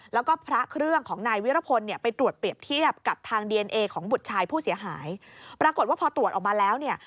แล้วก็พระเครื่องของนายวิรพล